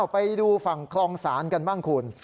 ไปดูฝั่งคลองศาลกันบ้างคุณ